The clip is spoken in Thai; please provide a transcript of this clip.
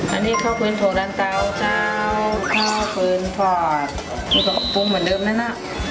อันนี้ข้าวคืนโถดันเตาเจ้าข้าวคืนพอดด้วยกับปรุงเหมือนเดิมเนี่ยนะ